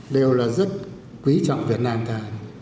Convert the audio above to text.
đều là rất quý trọng việt nam ta